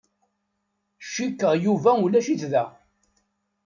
Cikkeɣ Yuba ulac-it da.